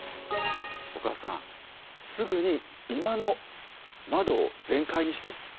お母さんすぐに居間の窓を全開にして。